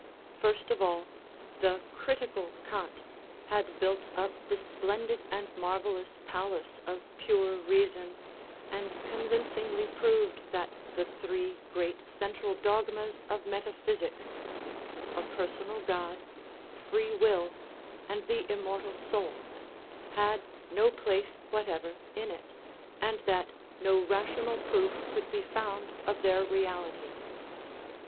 First of all the " critical Kant " had built up the splendid and mar vellous palace of pure reason, and convincingly proved that the three great central dogmas of metaphysics a personal God, free will, and the immortal soul had no place whatever in it, and that no rational proof could be found of their reality.